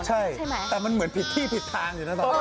ใช่แต่มันเหมือนผิดที่ผิดทางอยู่นะ